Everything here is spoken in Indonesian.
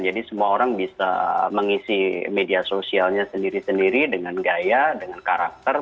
jadi semua orang bisa mengisi media sosialnya sendiri sendiri dengan gaya dengan karakter